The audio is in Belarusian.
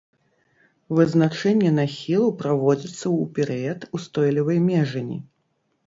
Вызначэнне нахілу праводзіцца у перыяд устойлівай межані.